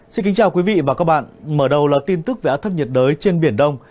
xin kính chào quý vị và các bạn mở đầu là tin tức về áp thấp nhiệt đới trên biển đông